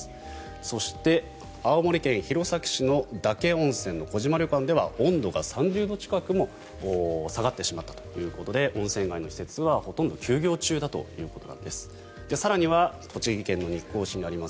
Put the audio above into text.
そして、青森県弘前市の獄温泉の小島旅館では温度が３０度近くも下がってしまったということで温泉街の施設はほとんど休業中だということなんです。